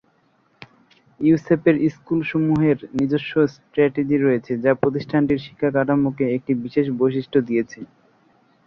ইউসেপের স্কুলসমূহের নিজস্ব স্ট্র্যাটেজি রয়েছে যা প্রতিষ্ঠানটির শিক্ষাকাঠামোকে একটি বিশেষ বৈশিষ্ট্য দিয়েছে।